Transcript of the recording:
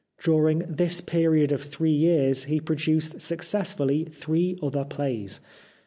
During this period of three years he pro duced successfully three other plays.